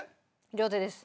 両手です。